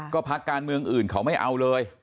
ก็พักการเมืองอื่นเขาไม่เอาเลย